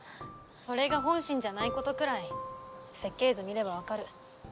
それが本心じゃないことくらい設計図見れば分かる。